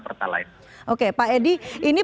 pertalite oke pak edi ini